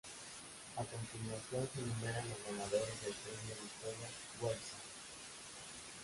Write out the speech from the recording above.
A continuación se enumeran los ganadores del Premio de Historia Wolfson.